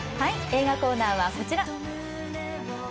映画コーナーはこちら。